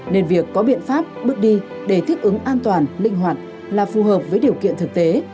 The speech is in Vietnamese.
nên việc có biện pháp bước đi để thích ứng an toàn linh hoạt là phù hợp với điều kiện thực tế